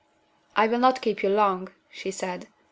"I will not keep you long," she said.